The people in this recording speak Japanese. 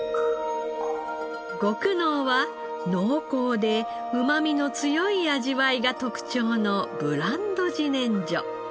極濃は濃厚でうまみの強い味わいが特長のブランド自然薯。